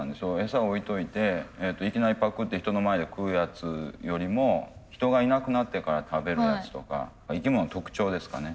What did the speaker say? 餌置いといていきなりパクッて人の前で食うやつよりも人がいなくなってから食べるやつとか生き物の特徴ですかね